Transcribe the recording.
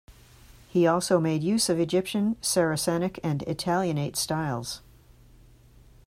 He also made use of Egyptian, Saracenic and Italianate styles.